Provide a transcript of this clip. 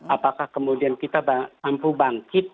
apakah kemudian kita mampu bangkit